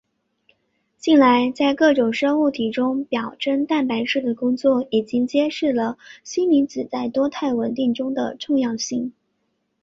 近来在各种生物体中表征蛋白质的工作已经揭示了锌离子在多肽稳定中的重要性。